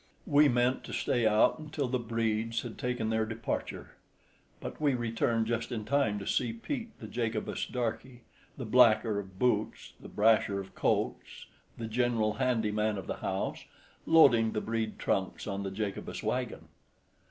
We meant to stay out until the Bredes had taken their departure; but we returned just in time to see Pete, the Jacobus darkey, the blacker of boots, the brasher of coats, the general handy man of the house, loading the Brede trunks on the Jacobus wagon.